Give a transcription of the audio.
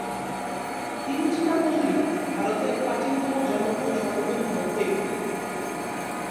তিরুচিরাপল্লী ভারতের প্রাচীনতম জনবহুল শহরগুলির মধ্যে একটি।